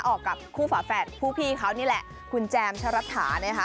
ออกกับคู่ฝาแฝดผู้พี่เขานี่แหละคุณแจมชะรัฐานะคะ